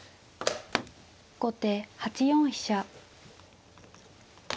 後手８四飛車。